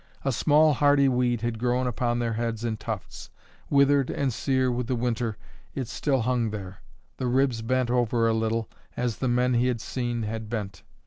A small hardy weed had grown upon their heads in tufts; withered and sear with the winter, it still hung there. The ribs bent over a little, as the men he had seen had bent.